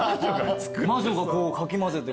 魔女がこうかき混ぜて。